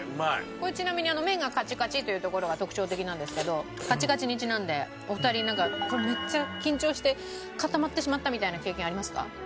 これちなみに麺がカチカチというところが特徴的なんですけどカチカチにちなんでお二人なんかめっちゃ緊張して固まってしまったみたいな経験ありますか？